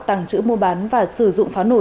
tàng trữ mua bán và sử dụng pháo nổ